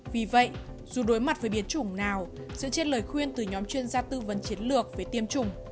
vì vậy dù đối mặt với biến chủng nào dựa trên lời khuyên từ nhóm chuyên gia tư vấn chiến lược về tiêm chủng